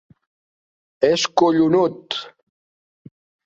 És collonut!